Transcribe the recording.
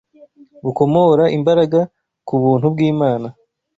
bukomora imbaraga ku buntu bw’Imana